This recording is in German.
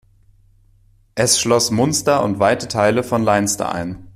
Es schloss Munster und weite Teile von Leinster ein.